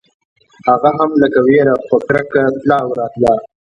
هغه هم لکه وېره په کرکه تله او راتله.